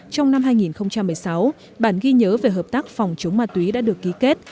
trong năm hai nghìn một mươi sáu bản ghi nhớ về hợp tác phòng chống ma túy đã được ký kết